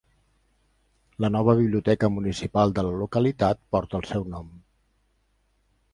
La nova biblioteca municipal de la localitat porta el seu nom.